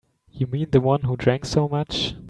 You mean the one who drank so much?